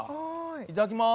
いただきます。